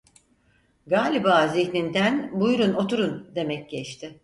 Galiba zihninden "Buyurun, oturun!" demek geçti.